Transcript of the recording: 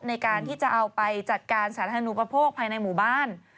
ในการที่จะเอาไปจัดการสาธารณูปโภคภายในหมู่บ้าน